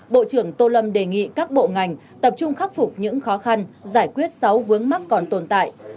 bộ trưởng tô lâm đề nghị các bộ ngành tập trung khắc phục những khó khăn giải quyết sáu vướng mắc còn tồn tại